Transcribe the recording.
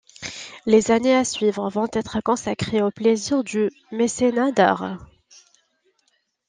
Les années à suivre vont être consacrées au plaisir du mécénat d'art.